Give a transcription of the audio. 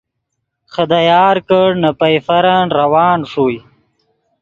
خدا یار کڑ نے پئیفرن روان ݰوئے